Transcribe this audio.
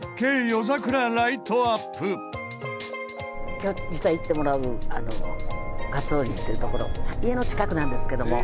今日実は行ってもらう勝尾寺っていう所家の近くなんですけども。